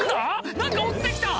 何か落ちて来た！